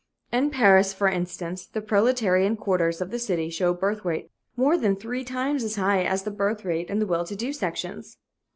In Paris, for instance, the proletarian quarters of the city show a birth rate more than three times as high as the birth rate in the well to do sections.